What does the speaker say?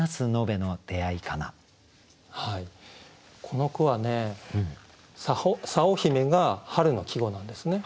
この句はね「佐保姫」が春の季語なんですね。